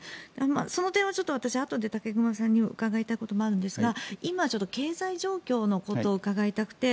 その点は私、あとで武隈さんに伺いたいこともあるんですが今、経済状況のことを伺いたくて